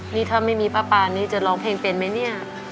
นี่ถ้าไม่มีป้าปานนี้จะร้องเพลงเป็นไหมเนี่ย